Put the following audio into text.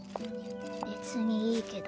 別にいいけど。